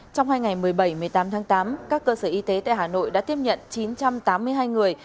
trong hai ngày một mươi bảy một mươi tám tháng tám các cơ sở y tế tại hà nội đã tiếp nhận chín trăm tám mươi hai người